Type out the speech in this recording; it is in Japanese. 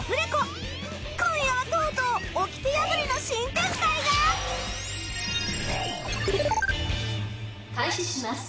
今夜はとうとうおきて破りの新展開が！「開始します」